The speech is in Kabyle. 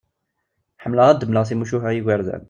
Ḥemmleɣ ad d-mleɣ timucuha i yigerdan.